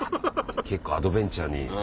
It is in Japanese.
結構アドベンチャーに。